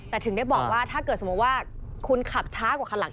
แต่ถึงได้บอกว่าถ้าเกิดสมมุติว่าคุณขับช้ากว่าคันหลัง